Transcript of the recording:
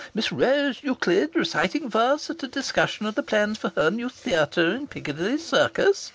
Miss Ra ose Euclid reciting verse at a discussion of the plans for her new theatre in Piccadilly Circus.